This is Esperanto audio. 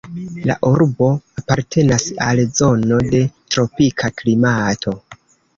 La urbo apartenas al zono de tropika klimato.